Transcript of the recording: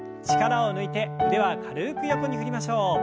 力を抜いて腕は軽く横に振りましょう。